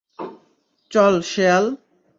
চল, শেয়াল।